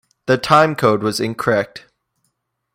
The timecode was incorrect.